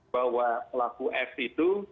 bahwa pelaku f itu